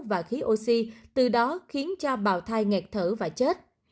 và khí oxy từ đó khiến cho bào thai ngạt thở và chết